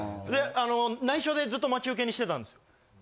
ないしょでずっと待ち受けにしてたんです。